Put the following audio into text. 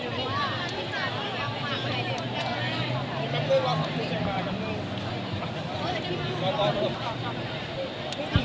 เอาหน่ายดูเข้าไปซึ่งเอาหน่ายดูเข้าไปซึ่ง